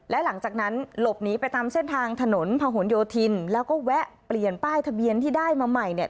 และหลังจากนั้นหลบหนีไปตามเส้นทางถนนพะหนโยธินแล้วก็แวะเปลี่ยนป้ายทะเบียนที่ได้มาใหม่เนี่ย